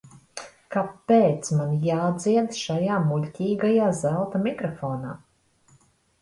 Kāpēc man jādzied šajā muļķīgajā zelta mikrofonā?